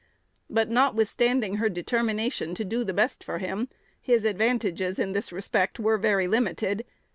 But, notwithstanding her determination to do the best for him, his advantages in this respect were very limited.